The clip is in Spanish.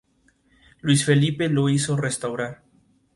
Luis Felipe lo hizo restaurar.